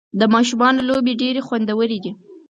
د ماشومانو لوبې ډېرې خوندورې دي.